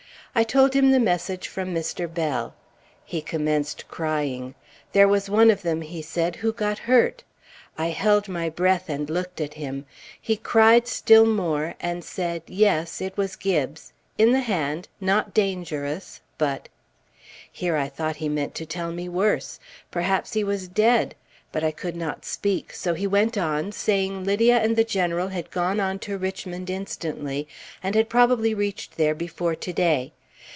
I told him the message from Mr. Bell. He commenced crying. There was one of them, he said, who got hurt. I held my breath and looked at him. He cried more still, and said yes, it was Gibbes in the hand not dangerous but Here I thought he meant to tell me worse; perhaps he was dead; but I could not speak, so he went on saying Lydia and the General had gone on to Richmond instantly, and had probably reached there before to day.